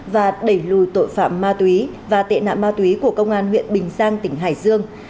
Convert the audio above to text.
và đẩy lùi tội phạm ma túy và tệ nạn ma túy của công an huyện bình giang tỉnh hải dương